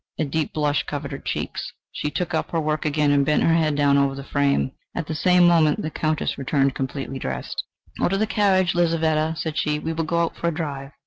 A deep blush covered her cheeks; she took up her work again and bent her head down over the frame. At the same moment the Countess returned completely dressed. "Order the carriage, Lizaveta," said she; "we will go out for a drive."